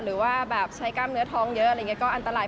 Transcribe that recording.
หรือว่าใช้กล้ามเนื้อท้องเยอะก็อันตราย